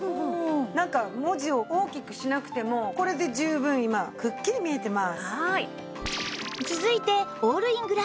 なんか文字を大きくしなくてもこれで十分今くっきり見えてます。